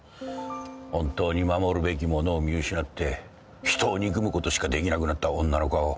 本当に守るべきものを見失って人を憎むことしかできなくなった女の顔。